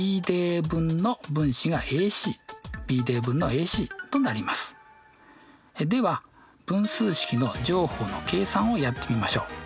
Ａ×Ｃとなりますのででは分数式の乗法の計算をやってみましょう。